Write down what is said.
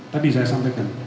tadi saya sampaikan